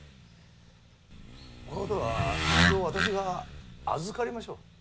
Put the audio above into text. このことは一度私が預かりましょう。